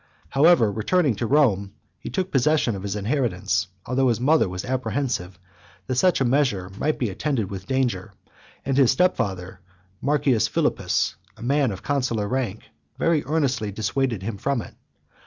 However, returning to Rome, he took possession of his inheritance, although his mother was apprehensive that such a measure might be attended with danger, and his step father, Marcius Philippus, a man of consular rank, very earnestly dissuaded him from it.